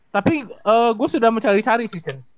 tapi gue sudah mencari cari sih chan